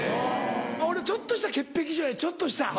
俺ちょっとした潔癖性やちょっとした。